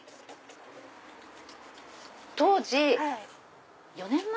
当時４年前？